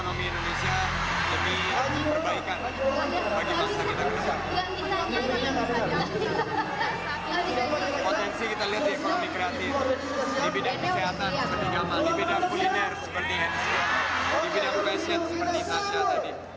london kita lihat ini dipikir pikir